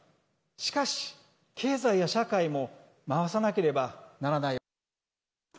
しかし、経済や社会も回さなければならない。